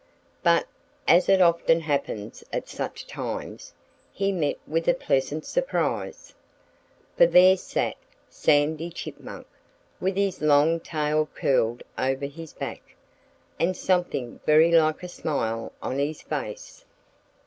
But as it often happens at such times he met with a pleasant surprise. For there sat Sandy Chipmunk, with his long tail curled over his back, and something very like a smile on his bright face.